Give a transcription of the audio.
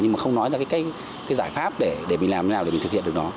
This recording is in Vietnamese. nhưng mà không nói ra cái giải pháp để mình làm thế nào để mình thực hiện được nó